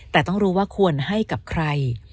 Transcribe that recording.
แต่ต้องรู้ว่าควรให้กับใคร